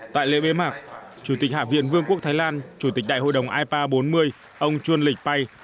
tại lễ bế mạc chủ tịch hạ viện vương quốc thái lan chủ tịch đại hội đồng ipa bốn mươi ông chuân lịch pai